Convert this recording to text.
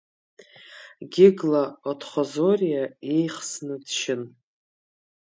Гигла Отхозориа еихсны дшьын.